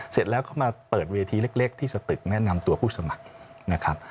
เสร็จแล้วก็มาเปิดเวทีเล็กที่สตึกแนะนำตัวผู้สมัครนะครับ